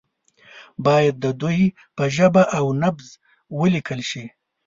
باید د دوی په ژبه او نبض ولیکل شي.